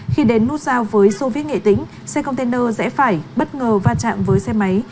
khi đến nút giao với sô viết nghệ tĩnh xe container rẽ phải bất ngờ va chạm với xe máy